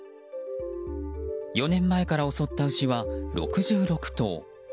４年前から襲った牛は６６頭。